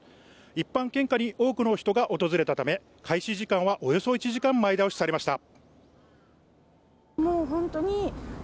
一般献花に多くの人が訪れたため、開始時間はおよそ１時間、前倒しされました。